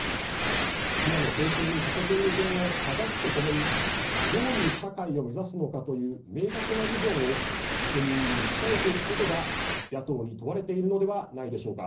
今の政権に欠けている点をただすとともにどういう社会を目指すのかという明確なビジョンを国民に訴えていくことが野党に問われているのではないでしょうか。